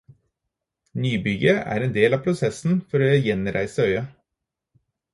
Nybygget er en del av prosessen for å gjenreise øya.